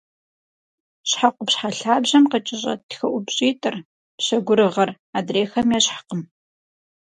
Щхьэ къупщхьэ лъабжьэм къыкӏэщӏэт тхыӏупщӏитӏыр – пщэгурыгъыр – адрейхэм ещхькъым.